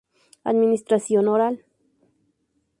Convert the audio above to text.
Administración: oral.